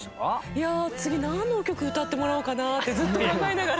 いや次なんの曲歌ってもらおうかなってずっと考えながら。